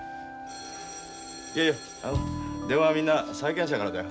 ☎いやいや電話はみんな債権者からだよ。